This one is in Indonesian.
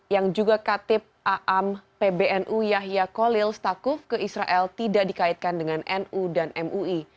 yang juga katip aam pbnu yahya kolil stakuf ke israel tidak dikaitkan dengan nu dan mui